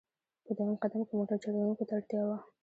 په دویم قدم کې موټر چلوونکو ته اړتیا وه.